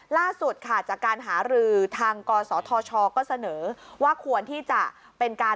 ล่าสุดจากการหาหรือทางกษทชก็เสนอ